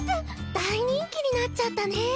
大人気になっちゃったね。